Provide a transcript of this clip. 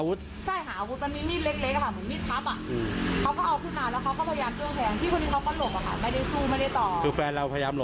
คนเจ็บอีกคนนึงเขาก็เดินออกไปเขาเหมือนไปพยายามห้าม